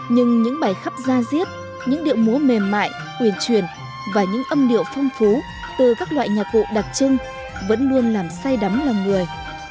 nhưng những bài khắp gia diết những điệu múa mềm mại quyền truyền và những âm điệu phong phú từ các loại nhạc vụ đặc trưng vẫn luôn làm say đắm lòng người